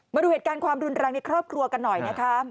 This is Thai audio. มาดูเหตุการณ์ความรุนแรงในครอบครัวกันหน่อยนะคะ